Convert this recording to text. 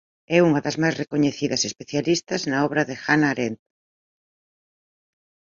É unha das máis recoñecidas especialistas na obra de Hannah Arendt.